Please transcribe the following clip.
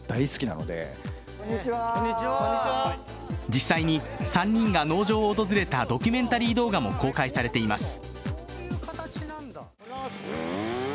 実際に３人が農場を訪れたドキュメンタリー動画も公開されています。